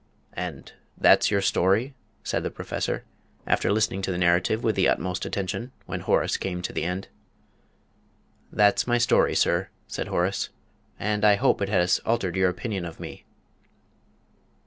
"And that's your story?" said the Professor, after listening to the narrative with the utmost attention, when Horace came to the end. "That's my story, sir," said Horace. "And I hope it has altered your opinion of me."